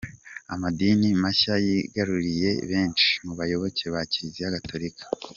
Amadini mashya yigaruriye benshi mu bayoboke ba Kiliziya Gatolika.